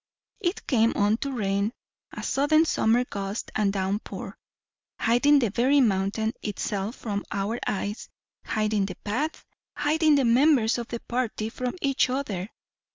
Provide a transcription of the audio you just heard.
It came on to rain a sudden summer gust and downpour, hiding the very mountain it self from our eyes; hiding the path, hiding the members of the party from each other.